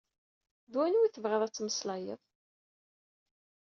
D waniwa tebɣiḍ ad temmeslayeḍ?